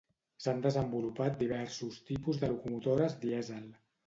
S'han desenvolupat diversos tipus de locomotores dièsel.